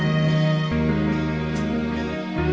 หมดอย่างน้อย